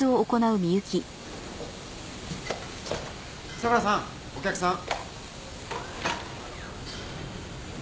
・佐柄さんお客さん。